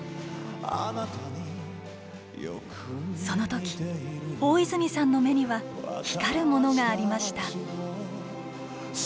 その時大泉さんの目には光るものがありました。